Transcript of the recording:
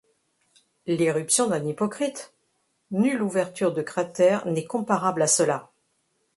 L’éruption d’un hypocrite, nulle ouverture de cratère n’est comparable à cela.